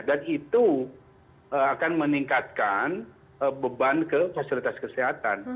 dan itu akan meningkatkan beban ke fasilitas kesehatan